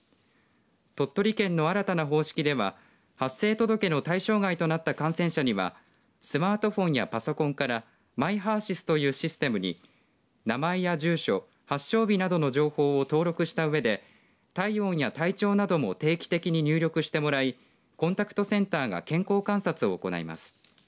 鳥取県の新たな方式では発生届の対象外となった感染者にはスマートフォンやパソコンからＭｙＨＥＲ‐ＳＹＳというシステムに名前や住所発症日などの情報を登録したうえで体温や体調なども定期的に入力してもらいコンタクトセンターが健康観察を行います。